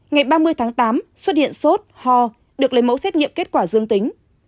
ngày ba mươi tháng tám xuất hiện sốt ho được lấy mẫu xét nghiệm kết quả dương tính